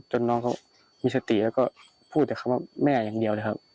น้องเขามีสติแล้วก็พูดแต่คำว่าแม่อย่างเดียวเลยครับ